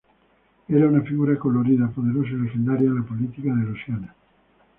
Era una figura colorida, poderosa y legendaria en la política de Luisiana.